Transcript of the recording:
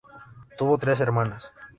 Tuvo tres hermanas.